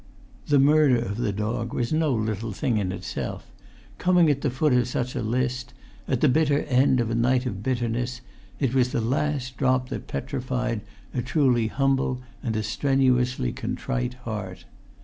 The murder of the dog was no little thing in itself; coming at the foot of such a list, at the bitter end of a night of bitterness, it was the last drop that petrified a truly humble and a strenuously contrite heart.